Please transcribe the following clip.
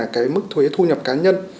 cái mức thuế thu nhập cá nhân